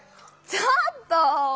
ちょっとぉ！